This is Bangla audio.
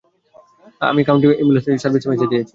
আমি কাউন্টি অ্যাম্বুলেন্স সার্ভিসে ম্যাসেজ দিয়েছি!